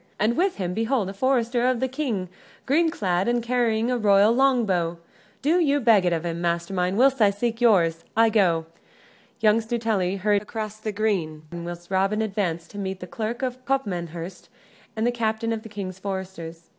And with him behold a forester of the King green clad and carrying a royal longbow. Do you beg it of him, master mine, whilst I seek yours. I go." Young Stuteley hurried across the green, whilst Robin advanced to meet the Clerk of Copmanhurst and the captain of the King's Foresters.